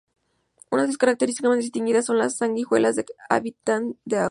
Una de sus características más distinguidas son las sanguijuelas que habitan sus aguas.